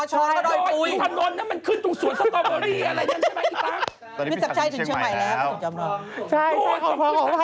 จอมทองแม่กลางแล้วก็อันนั้นโดยฟุ้ยขอโทษ